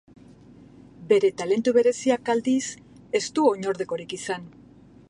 Bere talentu bereziak aldiz, ez du oinordekorik izan.